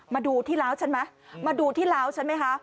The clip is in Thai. มาดูที่ล้าวใช่ไหมมาดูที่ล้าวใช่ไหมคะ